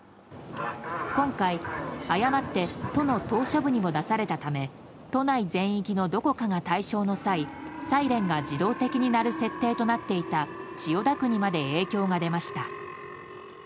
今回、誤って都の島しょ部にも出されたため都内全域のどこかが対象の際サイレンが自動的に鳴る設定となっていた千代田区にまで影響が出ました。